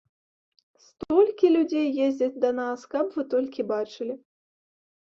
Столькі людзей ездзяць да нас, каб вы толькі бачылі.